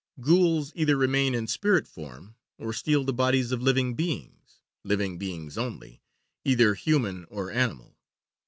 Ghouls either remain in spirit form or steal the bodies of living beings living beings only either human or animal.